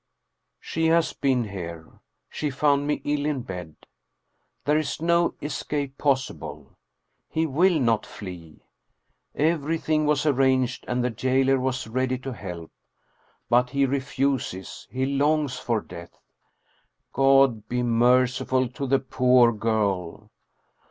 She has been here. She found me ill in bed. There is no escape possible. He will not flee. Everything was arranged and the jailer was ready to help. But he re 298 Stecn Steensen Blicher fuses, he longs for death. God be merciful to the poor girl.